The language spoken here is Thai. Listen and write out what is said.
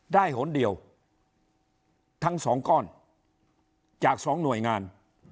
หนเดียวทั้งสองก้อนจากสองหน่วยงาน